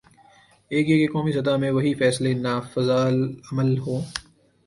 ایک یہ کہ قومی سطح میں وہی فیصلے نافذالعمل ہوں۔